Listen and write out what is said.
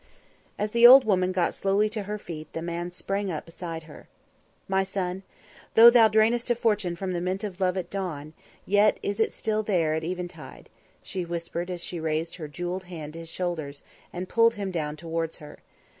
As the old woman got slowly to her feet, the man sprang up beside her. "My son, though thou drainest a fortune from the mint of Love at dawn, yet is it still there at eventide," she whispered as she raised her jewelled hand to his shoulders and pulled him down towards her.